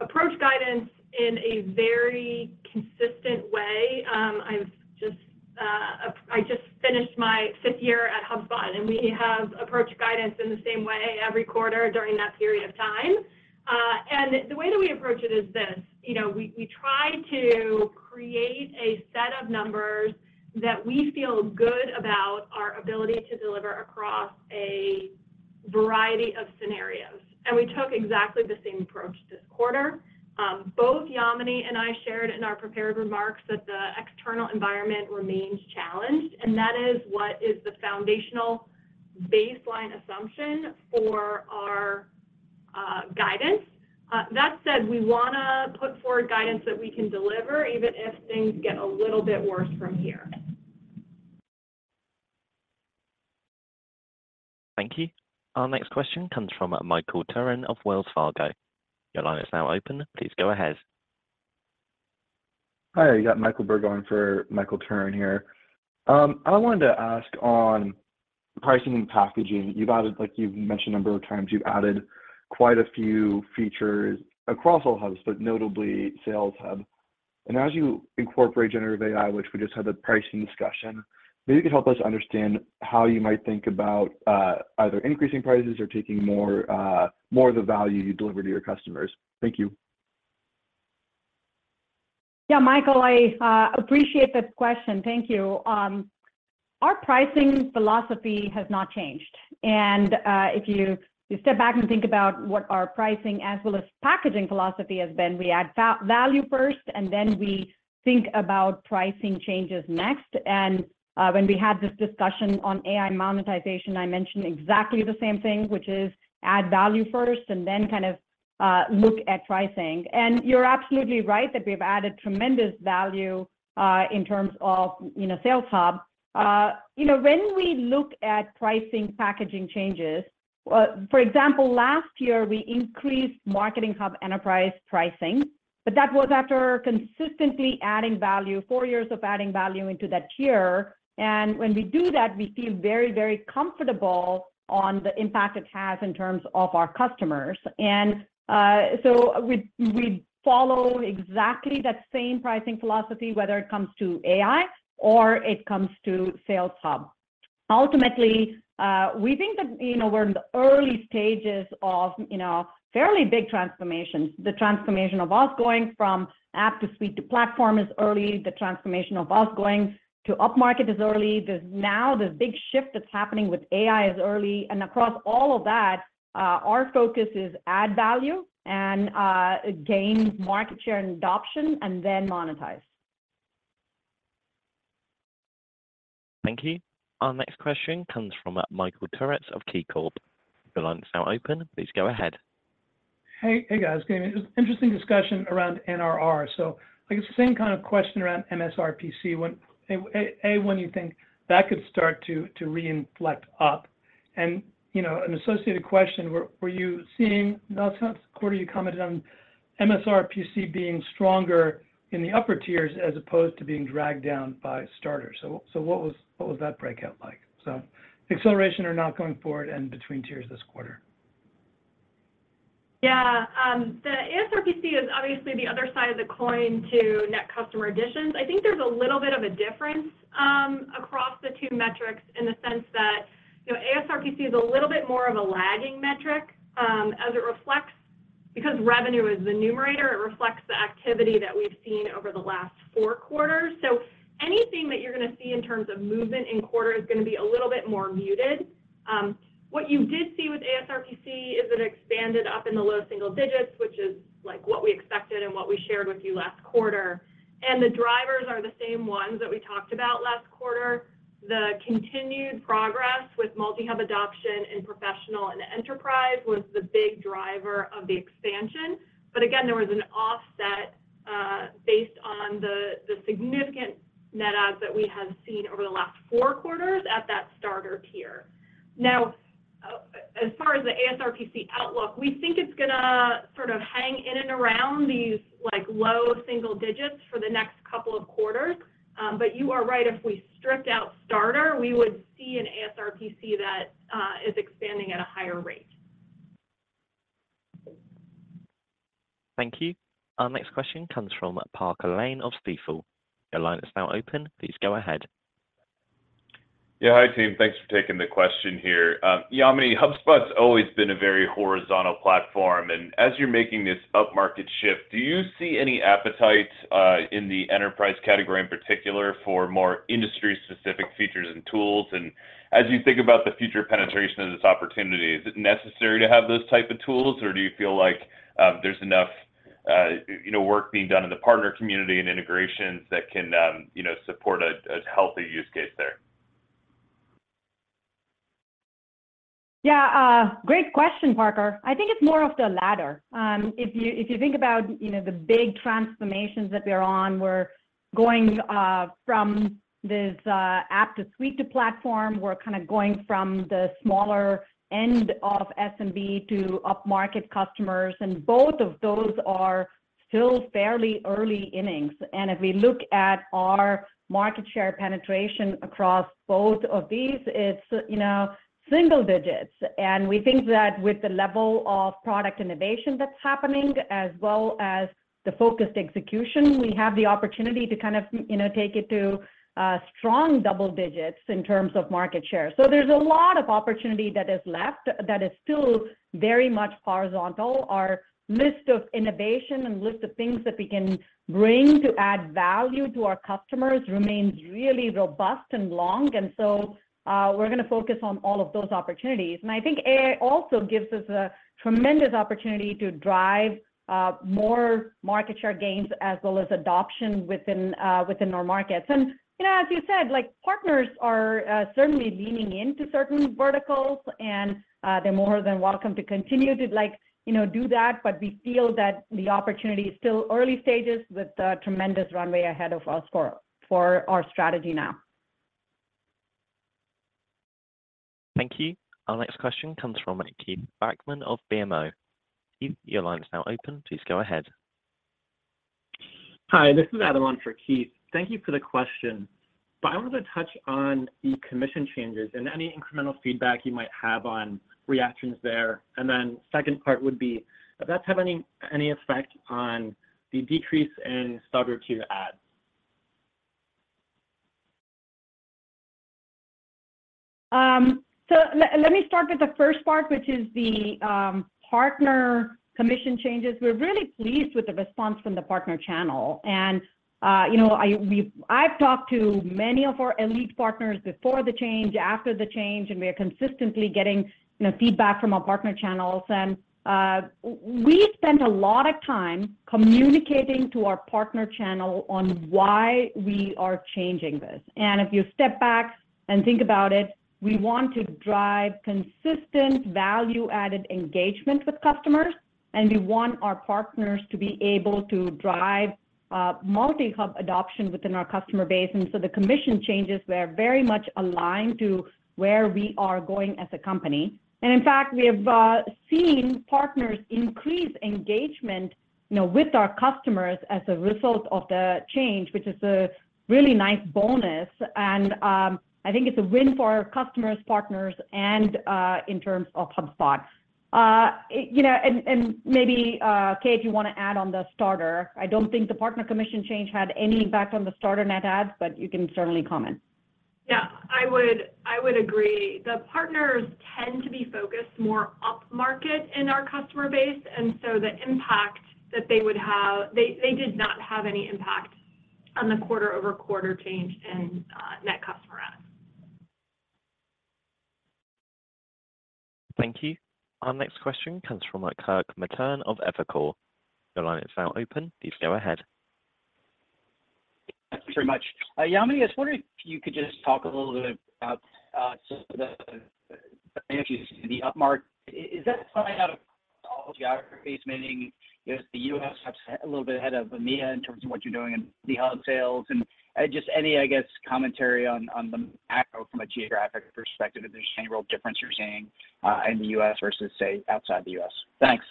approach guidance in a very consistent way. I've just, I just finished my fifth year at HubSpot, and we have approached guidance in the same way every quarter during that period of time. The way that we approach it is this, you know, we try to create a set of numbers that we feel good about our ability to deliver across a variety of scenarios. We took exactly the same approach this quarter. Both Yamini and I shared in our prepared remarks that the external environment remains challenged, and that is what is the foundational baseline assumption for our guidance. That said, we wanna put forward guidance that we can deliver, even if things get a little bit worse from here. Thank you. Our next question comes from Michael Turrin of Wells Fargo. Your line is now open, please go ahead. Hi, you got Michael Berg for Michael Turrin here. I wanted to ask on pricing and packaging. You've added, like you've mentioned a number of times, you've added quite a few features across all Hubs, but notably Sales Hub. As you incorporate generative AI, which we just had the pricing discussion, maybe you could help us understand how you might think about, either increasing prices or taking more, more of the value you deliver to your customers. Thank you. Yeah, Michael, I appreciate the question. Thank you. Our pricing philosophy has not changed. If you, you step back and think about what our pricing, as well as packaging philosophy has been, we add value first, and then we think about pricing changes next. When we had this discussion on AI monetization, I mentioned exactly the same thing, which is add value first and then kind of look at pricing. You're absolutely right that we've added tremendous value in terms of, you know, Sales Hub. You know, when we look at pricing packaging changes, for example, last year, we increased Marketing Hub Enterprise pricing, but that was after consistently adding value, four years of adding value into that tier. When we do that, we feel very, very comfortable on the impact it has in terms of our customers. We follow exactly that same pricing philosophy, whether it comes to AI or it comes to Sales Hub. Ultimately, we think that, you know, we're in the early stages of, you know, fairly big transformations. The transformation of us going from app to suite to platform is early. The transformation of us going to upmarket is early. There's now, the big shift that's happening with AI is early. Across all of that, our focus is add value and gain market share and adoption, and then monetize. Thank you. Our next question comes from Michael Turits of KeyCorp. Your line is now open, please go ahead. Hey, hey, guys, good morning. Interesting discussion around NRR. I guess the same kind of question around MSRPC, when, when you think that could start to reinflate up? You know, an associated question, were you seeing, last quarter, you commented on MSRPC being stronger in the upper tiers as opposed to being dragged down by Starter. What was that breakout like? Acceleration or not going forward and between tiers this quarter. Yeah, the ASRPC is obviously the other side of the coin to net customer additions. I think there's a little bit of a difference across the two metrics in the sense that, you know, ASRPC is a little bit more of a lagging metric, as it reflects because revenue is the numerator, it reflects the activity that we've seen over the last Q4. Anything that you're gonna see in terms of movement in quarter is gonna be a little bit more muted. What you did see with ASRPC is it expanded up in the low single digits, which is like what we expected and what we shared with you last quarter. The drivers are the same ones that we talked about last quarter. The continued progress with multi-hub adoption in Professional and Enterprise was the big driver of the expansion. Again, there was an offset, based on the significant net adds that we have seen over the last Q4 at that starter tier. As far as the ASRPC outlook, we think it's gonna sort of hang in and around these, like, low single digits for the next couple of quarters. You are right, if we stripped out starter, we would see an ASRPC that is expanding at a higher rate. Thank you. Our next question comes from Parker Lane of Stifel. Your line is now open. Please go ahead. Yeah, hi, team. Thanks for taking the question here. Yamini, HubSpot's always been a very horizontal platform, as you're making this upmarket shift, do you see any appetite in the enterprise category in particular for more industry-specific features and tools? As you think about the future penetration of this opportunity, is it necessary to have those type of tools, or do you feel like, there's enough, you know, work being done in the partner community and integrations that can, you know, support a, a healthy use case there? Yeah, great question, Parker. I think it's more of the latter. If you, if you think about, you know, the big transformations that we are on, we're going from this app to suite to platform. We're kind of going from the smaller end of SMB to upmarket customers, and both of those are still fairly early innings. If we look at our market share penetration across both of these, it's, you know, single digits. We think that with the level of product innovation that's happening, as well as the focused execution, we have the opportunity to kind of, you know, take it to strong double digits in terms of market share. There's a lot of opportunity that is left that is still very much horizontal. Our list of innovation and list of things that we can bring to add value to our customers remains really robust and long. We're gonna focus on all of those opportunities. I think AI also gives us a tremendous opportunity to drive more market share gains as well as adoption within our markets. You know, as you said, like, partners are certainly leaning into certain verticals, and they're more than welcome to continue to, like, you know, do that. We feel that the opportunity is still early stages with a tremendous runway ahead of us for, for our strategy now. Thank you. Our next question comes from Keith Bachman of BMO. Keith, your line is now open. Please go ahead. Hi, this is Adam on for Keith. Thank you for the question, but I wanted to touch on the commission changes and any incremental feedback you might have on reactions there. Second part would be, if that's having any, any effect on the decrease in starter tier ads? So let me start with the first part, which is the partner commission changes. We're really pleased with the response from the partner channel, and, you know, I've talked to many of our elite partners before the change, after the change, we are consistently getting, you know, feedback from our partner channels. We spent a lot of time communicating to our partner channel on why we are changing this. If you step back and think about it, we want to drive consistent value-added engagement with customers, and we want our partners to be able to drive multi-hub adoption within our customer base. The commission changes were very much aligned to where we are going as a company. In fact, we have seen partners increase engagement, you know, with our customers as a result of the change, which is a really nice bonus, and I think it's a win for our customers, partners, and in terms of HubSpot. You know, and, and maybe Kate, you want to add on the starter. I don't think the partner commission change had any impact on the starter net ads, but you can certainly comment. Yeah, I would, I would agree. The partners tend to be focused more upmarket in our customer base, and so the impact that they would have, they, they did not have any impact on the quarter-over-quarter change in net customer ads. Thank you. Our next question comes from, Kirk Materne of Evercore. Your line is now open. Please go ahead. Thank you very much. Yamini, I was wondering if you could just talk a little bit about, just the, the changes in the upmarket. Is, is that something out of all geographies, meaning, is the U.S. a little bit ahead of EMEA in terms of what you're doing in the hub sales? And, just any, I guess, commentary on, on the macro from a geographic perspective, if there's any real difference you're seeing, in the U.S. versus, say, outside the U.S. Thanks.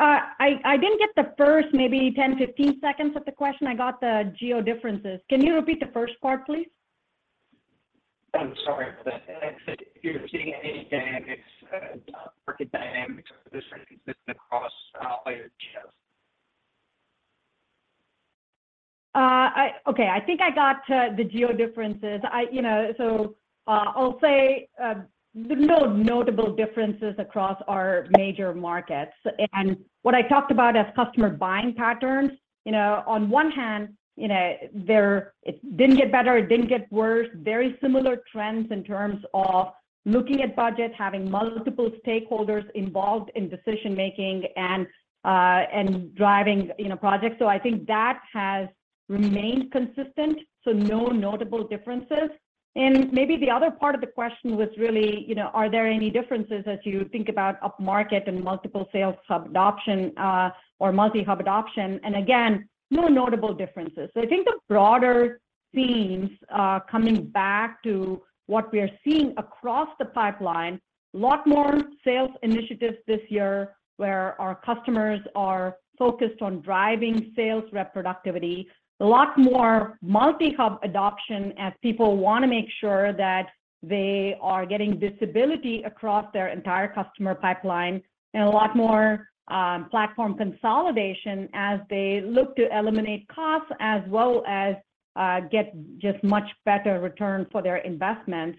I didn't get the first maybe 10, 15 seconds of the question. I got the geo differences. Can you repeat the first part, please? I'm sorry for that. I said, if you're seeing anything, it's market dynamics. This is consistent across later geos. I... Okay, I think I got to the geo differences. I, you know, so, I'll say, there's no notable differences across our major markets. What I talked about as customer buying patterns, you know, on one hand, you know, there, it didn't get better, it didn't get worse. Very similar trends in terms of looking at budget, having multiple stakeholders involved in decision making, and, and driving, you know, projects. I think that has remained consistent, so no notable differences. Maybe the other part of the question was really, you know, are there any differences as you think about upmarket and multiple Sales Hub adoption, or multi-Hub adoption? Again, no notable differences. I think the broader themes, coming back to what we are seeing across the pipeline, a lot more sales initiatives this year, where our customers are focused on driving sales rep productivity. A lot more multi-hub adoption as people want to make sure that they are getting visibility across their entire customer pipeline, and a lot more platform consolidation as they look to eliminate costs, as well as, get just much better return for their investments.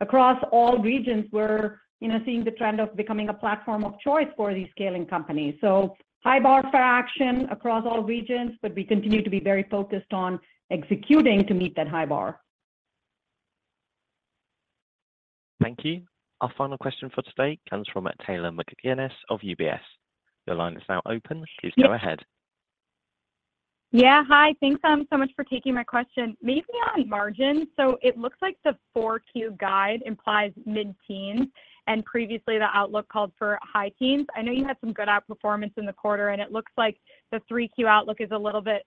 Across all regions, we're, you know, seeing the trend of becoming a platform of choice for these scaling companies. High bar for action across all regions, but we continue to be very focused on executing to meet that high bar. Thank you. Our final question for today comes from Taylor McGinnis of UBS. Your line is now open, please go ahead. Yeah, hi. Thanks, so much for taking my question. Maybe on margin. It looks like the 4Q guide implies mid-teens, and previously the outlook called for high teens. I know you had some good outperformance in the quarter, and it looks like the 3Q outlook is a little bit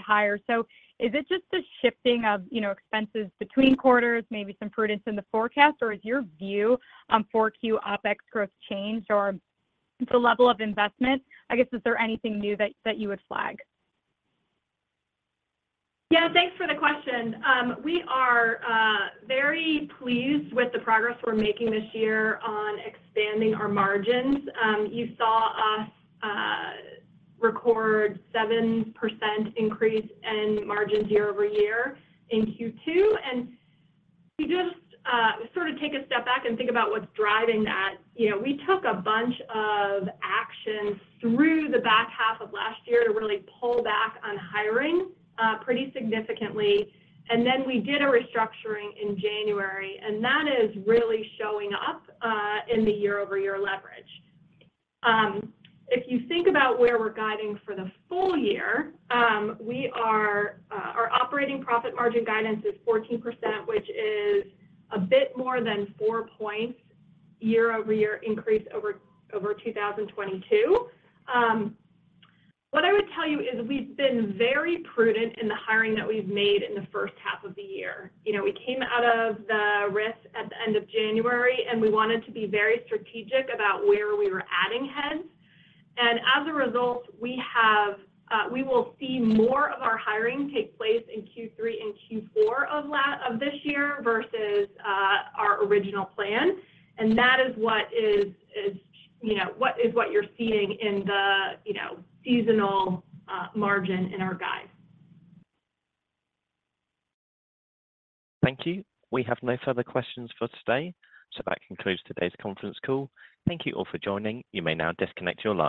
higher. Is it just the shifting of, you know, expenses between quarters, maybe some prudence in the forecast, or is your view on 4Q OpEx growth changed or the level of investment? I guess, is there anything new that you would flag? Yeah, thanks for the question. We are very pleased with the progress we're making this year on expanding our margins. You saw us record 7% increase in margins year-over-year in Q2. If you just sort of take a step back and think about what's driving that, you know, we took a bunch of actions through the back half of last year to really pull back on hiring pretty significantly. Then we did a restructuring in January, and that is really showing up in the year-over-year leverage. If you think about where we're guiding for the full year, we are our operating profit margin guidance is 14%, which is a bit more than 4 points year-over-year increase over 2022. What I would tell you is we've been very prudent in the hiring that we've made in the first half of the year. You know, we came out of the risk at the end of January, and we wanted to be very strategic about where we were adding heads. As a result, we have, we will see more of our hiring take place in Q3 and Q4 of last- of this year versus our original plan. That is what is, is, you know, what is what you're seeing in the, you know, seasonal margin in our guide. Thank you. We have no further questions for today, so that concludes today's conference call. Thank you all for joining. You may now disconnect your lines.